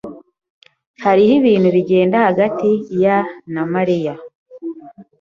Hariho ibintu bigenda hagati ya na Mariya.